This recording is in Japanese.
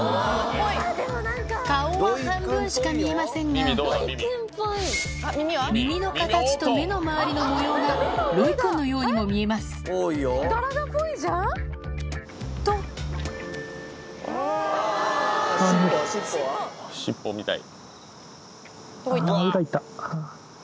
顔は半分しか見えませんが耳の形と目の周りの模様がロイくんのようにも見えます柄がぽいじゃん！と尻尾見たい。